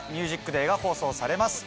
『ＴＨＥＭＵＳＩＣＤＡＹ』が放送されます。